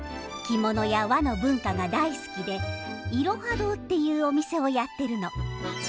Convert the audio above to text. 着物や和の文化が大好きで「いろは堂」っていうお店をやってるの。